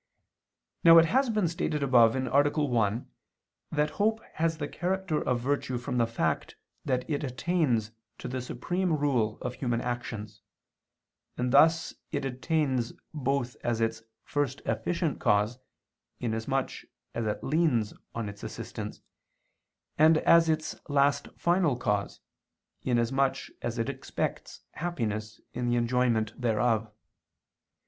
Now it has been stated above (A. 1) that hope has the character of virtue from the fact that it attains the supreme rule of human actions: and this it attains both as its first efficient cause, in as much as it leans on its assistance, and as its last final cause, in as much as it expects happiness in the enjoyment thereof.